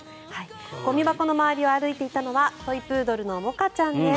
ゴミ箱の周りを歩いていたのはトイプードルのモカちゃんです。